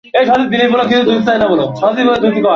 আজ কেবল নীরজার মনে পড়ছে সেইদিনকার ছবি।